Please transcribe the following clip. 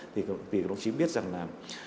vì các đồng chí biết rằng là